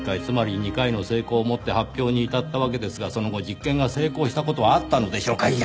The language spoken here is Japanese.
つまり２回の成功を持って発表に至ったわけですがその後実験が成功した事はあったのでしょうか？